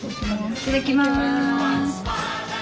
いただきます。